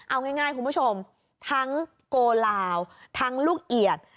เอาง่ายคุณผู้ชมทั้งโกลาวทั้งลูกเอียด